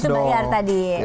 itu bayar tadi